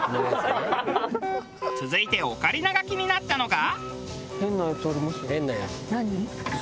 続いてオカリナが気になったのが。